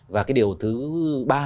và cái điều thứ ba